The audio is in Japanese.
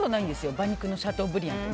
馬肉のシャトーブリアンって。